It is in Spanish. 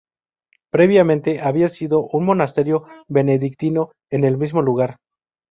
Previamente había sido un monasterio benedictino en el mismo lugar.